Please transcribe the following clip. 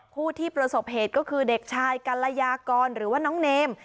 ผู้ที่ประสบเหตุก็คือเด็กชายกัลยากรหรือว่าน้องเนม